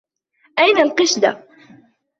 أين القِشدة ؟